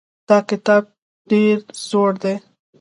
دا کتاب ډېر زوړ دی.